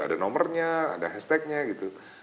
ada nomornya ada hashtagnya gitu